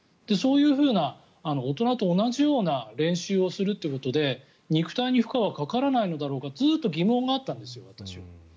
そういうふうな大人と同じような練習をするということで肉体に負荷はかからないのかずっと私は疑問があったんです。